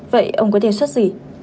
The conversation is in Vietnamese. vậy ông có đề xuất gì